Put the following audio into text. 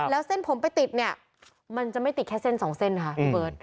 แล้วเส้นผมไปติดเนี่ยมันจะไม่ติดแค่เส้นสองเส้นค่ะพี่เบิร์ต